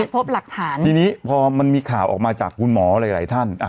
พบหลักฐานทีนี้พอมันมีข่าวออกมาจากคุณหมอหลายหลายท่าน